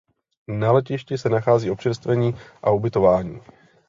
Na letišti se nachází občerstvení a ubytování.